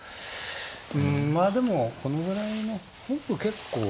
うんまあでもこのぐらいの本譜結構。